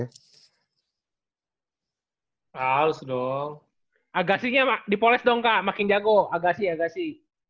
harus dong agasinya dipoles dong kak makin jago agasi agasi